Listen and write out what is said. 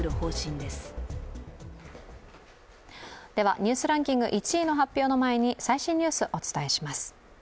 ではニュースランキング１位発表の前に最新ニュースをお伝えします。